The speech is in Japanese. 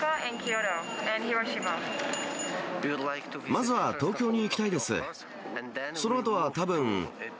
まずは東京に行きたいです。